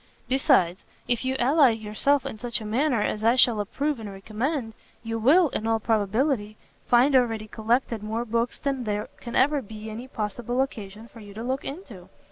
Besides, if you ally yourself in such a manner as I shall approve and recommend, you will, in all probability, find already collected more books than there can ever be any possible occasion for you to look into.